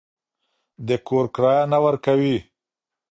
د کور کرایه نه ورکوئ.